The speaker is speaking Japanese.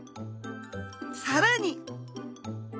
さらに！